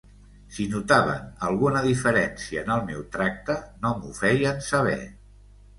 Si notaven alguna diferència en el meu tracte, no m'ho feien saber.